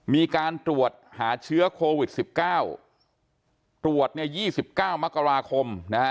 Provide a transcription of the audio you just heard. มีการตรวจหาเชื้อโควิด๑๙ตรวจ๒๙มกราคมนะฮะ